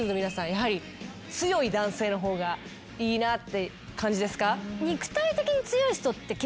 やはり強い男性の方がいいなって感じですか？